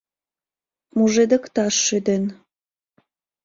Мужедыкташ шӱден...